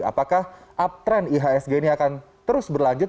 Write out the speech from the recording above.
apakah uptrend ihsg ini akan terus berlanjut